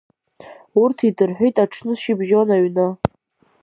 Урҭ идырҳәит аҽны шьыбжьон аҩны.